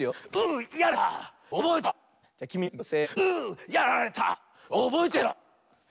「おぼえてろ」。